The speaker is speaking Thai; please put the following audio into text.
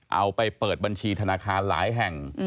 เอาไปเปิดบัญชีธนาคารหลายแห่ง